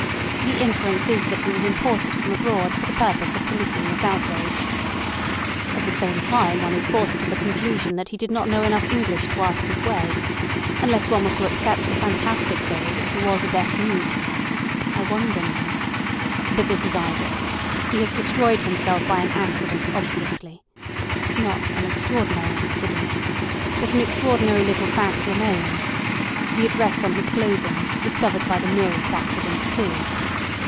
The inference is that he was imported from abroad for the purpose of committing this outrage. At the same time one is forced to the conclusion that he did not know enough English to ask his way, unless one were to accept the fantastic theory that he was a deaf mute. I wonder now—But this is idle. He has destroyed himself by an accident, obviously. Not an extraordinary accident. But an extraordinary little fact remains: the address on his clothing discovered by the merest accident, too.